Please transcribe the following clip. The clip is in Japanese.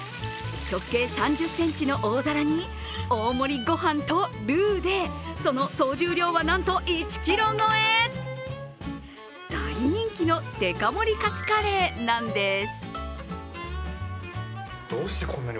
直径３０ｃｍの大皿に大盛りご飯とルーでその総重量はなんと１ｋｇ超え大人気のでか盛りかつカレーなんです。